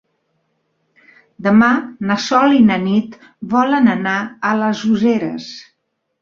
Demà na Sol i na Nit volen anar a les Useres.